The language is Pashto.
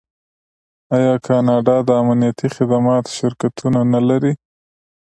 آیا کاناډا د امنیتي خدماتو شرکتونه نلري؟